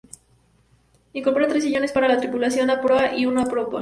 Incorpora tres sillones para la tripulación a proa y uno a popa.